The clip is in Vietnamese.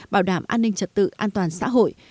bảo đảm an ninh trật tự an toàn xã hội